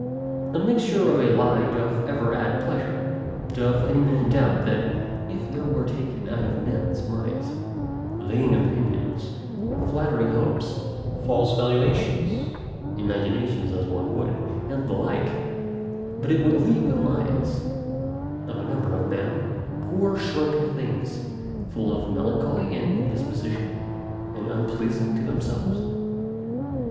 A mixture of a lie doth ever add pleasure. Doth any man doubt, that if there were taken out of men's minds, vain opinions, flattering hopes, false valuations, imaginations as one would, and the like, but it would leave the minds, of a number of men, poor shrunken things, full of melancholy and indisposition, and unpleasing to themselves?